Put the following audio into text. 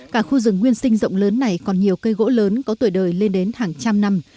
cả khu rừng nguyên sinh rộng lớn này còn nhiều cây gỗ lớn có tuổi đời lên đến hàng trăm năm